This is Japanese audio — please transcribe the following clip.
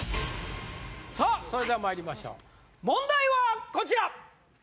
さあそれではまいりましょう問題はこちら！